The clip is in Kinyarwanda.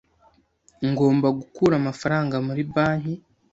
Ngomba gukura amafaranga muri banki.